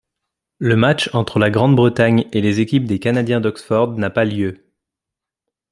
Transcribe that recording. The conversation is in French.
Le match entre la Grande-Bretagne et l'équipe des canadiens d'Oxford n'a pas lieu.